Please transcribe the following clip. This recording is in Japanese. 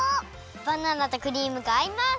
バナナとクリームがあいます！